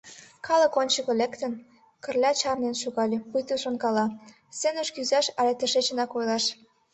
Калык ончыко лектын, Кырля чарнен шогале, пуйто шонкала: сценыш кӱзаш але тышечынак ойлаш.